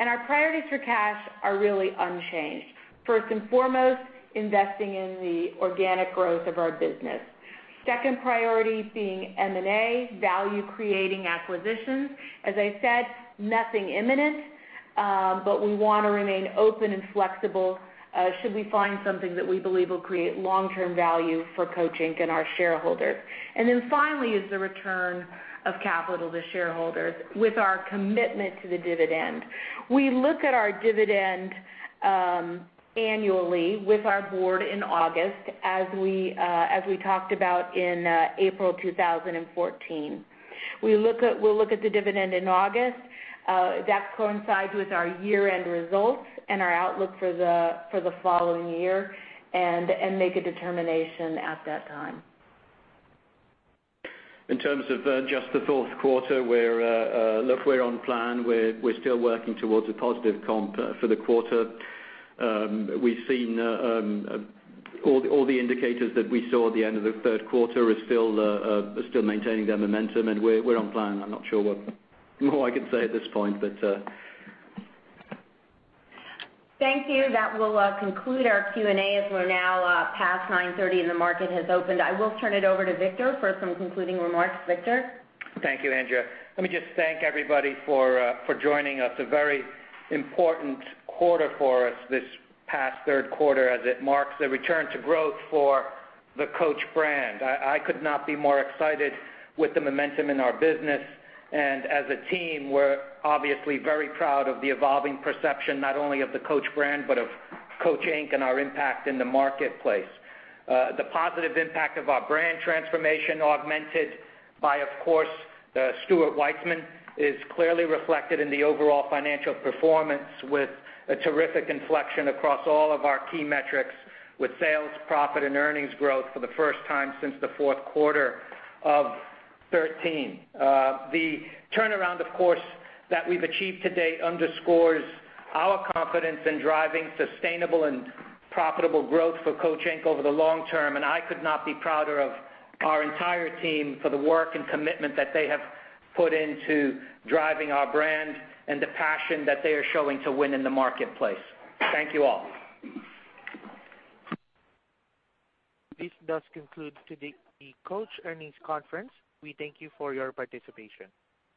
and our priorities for cash are really unchanged. First and foremost, investing in the organic growth of our business. Second priority being M&A, value creating acquisitions. As I said, nothing imminent, but we want to remain open and flexible should we find something that we believe will create long-term value for Coach, Inc. and our shareholders. Finally, is the return of capital to shareholders with our commitment to the dividend. We look at our dividend annually with our board in August, as we talked about in April 2014. We'll look at the dividend in August. That coincides with our year-end results and our outlook for the following year, and make a determination at that time. In terms of just the fourth quarter, look, we're on plan. We're still working towards a positive comp for the quarter. All the indicators that we saw at the end of the third quarter are still maintaining their momentum, and we're on plan. I'm not sure what more I can say at this point. Thank you. That will conclude our Q&A as we're now past 9:30 A.M. and the market has opened. I will turn it over to Victor for some concluding remarks. Victor? Thank you, Andrea. Let me just thank everybody for joining us. A very important quarter for us this past third quarter as it marks a return to growth for the Coach brand. I could not be more excited with the momentum in our business. As a team, we're obviously very proud of the evolving perception, not only of the Coach brand, but of Coach, Inc. and our impact in the marketplace. The positive impact of our brand transformation augmented by, of course, Stuart Weitzman, is clearly reflected in the overall financial performance with a terrific inflection across all of our key metrics with sales, profit, and earnings growth for the first time since the fourth quarter of 2013. The turnaround, of course, that we've achieved to date underscores our confidence in driving sustainable and profitable growth for Coach, Inc. over the long term. I could not be prouder of our entire team for the work and commitment that they have put into driving our brand and the passion that they are showing to win in the marketplace. Thank you all. This does conclude the Coach earnings conference. We thank you for your participation.